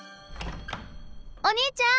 お兄ちゃん。